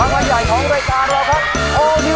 ข้างบนใหญ่ของรายการว่าครับ